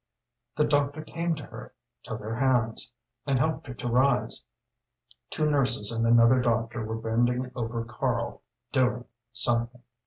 The doctor came to her, took her hands, and helped her to rise. Two nurses and another doctor were bending over Karl doing something.